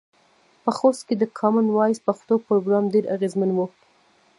په خوست کې د کامن وایس پښتو پروګرام ډیر اغیزمن و.